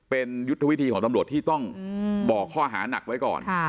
เป็นยุทธวิธีของตำรวจที่ต้องบอกข้อหานักไว้ก่อน